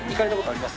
あります。